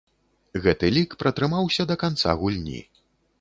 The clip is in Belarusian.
Гэты лік пратрымаўся да канца гульні.